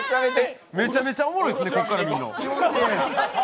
めちゃめちゃおもろいですね、ここから見るの。